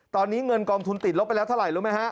ตอนนี้เงินกองทุนติดลบไปแล้วเท่าไหร่รู้ไหมฮะ